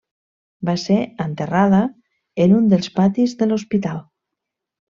Va ser enterrada en un dels patis de l'hospital.